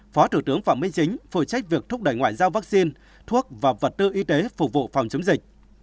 phó thủ tướng phạm minh chính phụ trách việc thúc đẩy ngoại giao vaccine thuốc và vật tư y tế phục vụ phòng chống dịch